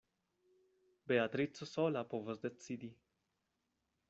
Beatrico sola povas decidi.